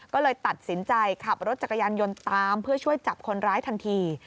ก็เลยตัดสินใจขับรถจักรยานยนต์ตามเพื่อช่วยจับคนร้ายทันที